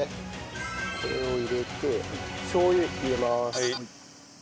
これを入れてしょう油入れます。